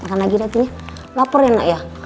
makan lagi ratunya lapor ya nak ya